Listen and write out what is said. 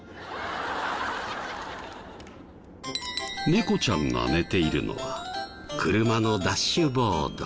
猫ちゃんが寝ているのは車のダッシュボード。